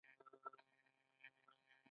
دا شراب له کنګل انګورو جوړیږي.